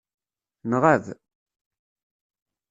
Nɣab.